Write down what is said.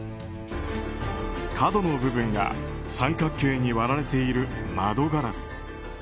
角の部分が三角形に割られている窓ガラス。